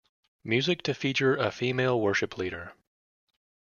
Music to feature a female worship leader.